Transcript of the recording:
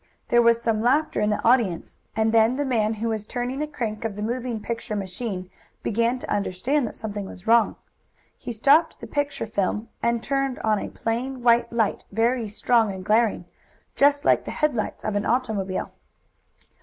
There was some laughter in the audience, and then the man who was turning the crank of the moving picture machine began to understand that something was wrong. He stopped the picture film, and turned on a plain, white light, very strong and glaring, Just like the headlights of an automobile.